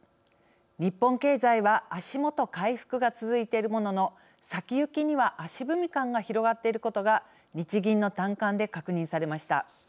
日本経済は足元、回復が続いているものの先行きには足踏み感が広がっていることが日銀の短観で確認されました。